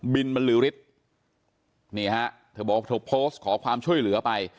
บรรลือฤทธิ์นี่ฮะเธอบอกเธอโพสต์ขอความช่วยเหลือไป